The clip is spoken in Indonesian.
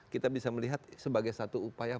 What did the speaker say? kita bisa melihat sebagai satu upaya